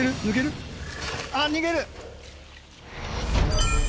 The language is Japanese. あぁ逃げる。